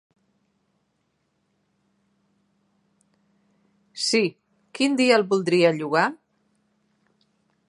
Sí, quin dia el voldria llogar?